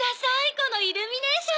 このイルミネーション！